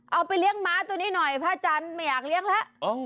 เอาไปเลี้ยงม้าตัวนี้หน่อยพระอาจารย์ไม่อยากเลี้ยงแล้ว